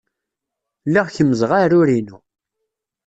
Lliɣ kemmzeɣ aɛrur-inu.